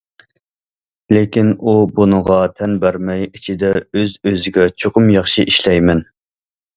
لېكىن ئۇ بۇنىڭغا تەن بەرمەي ئىچىدە ئۆز- ئۆزىگە: چوقۇم ياخشى ئىشلەيمەن.